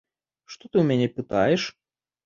Што ты ў мяне пытаеш?